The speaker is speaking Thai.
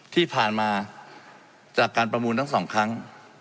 ที่ผ่านมาจากการประมูลทั้งสองครั้ง